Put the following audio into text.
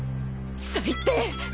最低。